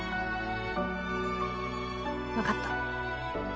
わかった。